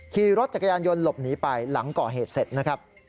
ขี่รถจักรยานยนต์หลบหนีไปหลังก่อเหตุเสร็จนะครับ